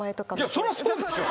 そらそうでしょ。